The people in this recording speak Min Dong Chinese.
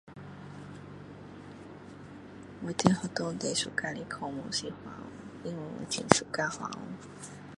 我在学校最喜欢的科目是华文，因为我很喜欢华文